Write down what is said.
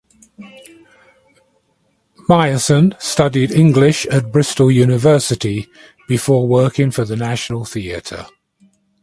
Myerson studied English at Bristol University before working for the National Theatre.